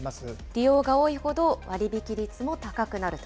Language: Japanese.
利用が多いほど割引率も高くなると。